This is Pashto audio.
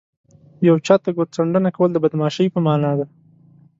یو چاته ګوت څنډنه کول د بدماشۍ په مانا ده